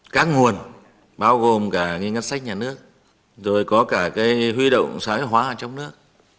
các nguồn bao gồm cả cái ngân sách nhà nước rồi có cả cái huy động xã hội hóa trong nước